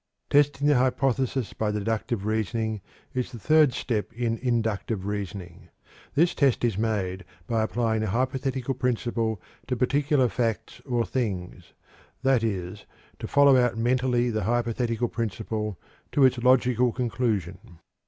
Testing the hypothesis by deductive reasoning is the third step in inductive reasoning. This test is made by applying the hypothetical principle to particular facts or things; that is, to follow out mentally the hypothetical principle to its logical conclusion.